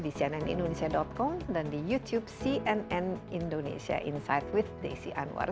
di cnnindonesia com dan di youtube cnn indonesia insight with desi anwar